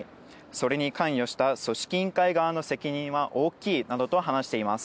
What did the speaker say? それに関与した組織委員会側の責任は大きいなどと話しています。